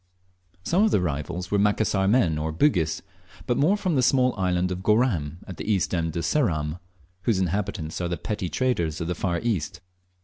Some of the arrivals were Macassar men or Bugis, but more from the small island of Goram, at the east end of Ceram, whose inhabitants are the petty traders of the far East.